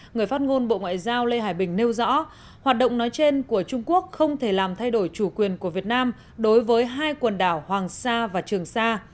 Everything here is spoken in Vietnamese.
người phát ngôn bộ ngoại giao lê hải bình nêu rõ hoạt động nói trên của trung quốc không thể làm thay đổi chủ quyền của việt nam đối với hai quần đảo hoàng sa và trường sa